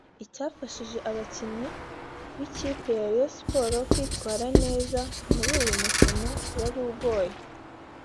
Icyafashije abakinnyi b’ikipe ya Rayon Sports kwitwara neza muri uyu mukino wari ugoye